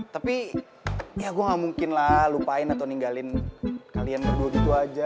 tapi ya gue gak mungkin lah lupain atau ninggalin kalian berdua gitu aja